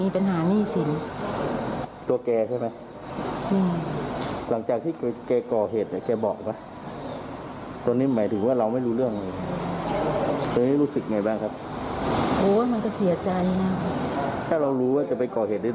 โปรดติดตามตอนต่อไป